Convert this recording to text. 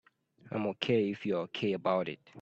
I'm OK if you're OK about it.